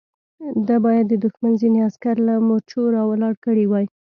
ده بايد د دښمن ځينې عسکر له مورچو را ولاړ کړي وای.